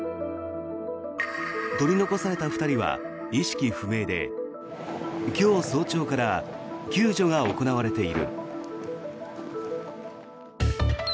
取り残された２人は意識不明で今日早朝から救助が行われている。